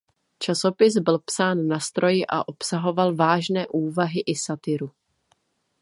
Časopis byl psán na stroji a obsahoval vážné úvahy i satiru.